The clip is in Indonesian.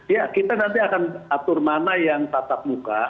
ya kita nanti akan atur mana yang tatap muka